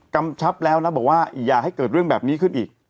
กำชับแล้วนะบอกว่าอย่าให้เกิดเรื่องแบบนี้ขึ้นอีก